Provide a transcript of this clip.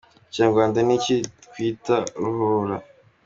Mu kinyarwanda ni iki twita ruhurura.